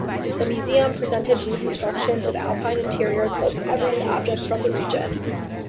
The museum presented reconstructions of alpine interiors filled with everyday objects from the region.